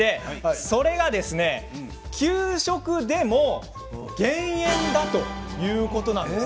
それが給食でも減塩だということなんです。